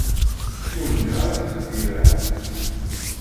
Ur lliɣ ara ttqeyyileɣ.